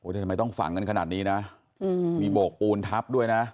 แต่ทำไมต้องฝังกันขนาดนี้นะมีโบกปูนทับด้วยนะ